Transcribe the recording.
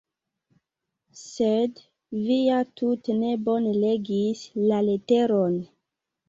Sed vi ja tute ne bone legis la leteron!